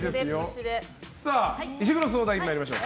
石黒相談員、参りましょう。